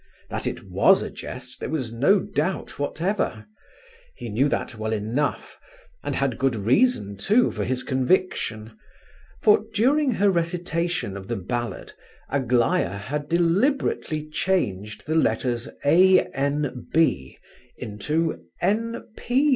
That it was a jest there was no doubt whatever; he knew that well enough, and had good reason, too, for his conviction; for during her recitation of the ballad Aglaya had deliberately changed the letters A. N. B. into N.